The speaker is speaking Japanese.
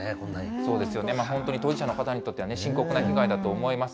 そうですよね、本当に当事者の方にとっては深刻な被害だと思います。